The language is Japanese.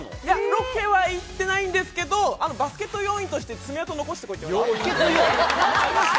ロケは行ってないんですけど、バスケット要員として爪痕残してこいって言われました。